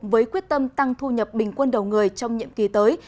với quyết tâm tăng thu nhập bình quân đầu người trong nhiệm kỳ tới